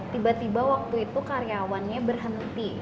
tiba tiba waktu itu karyawannya berhenti